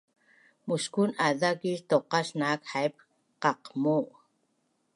Muskun azakis tuqas naak haip qaqmu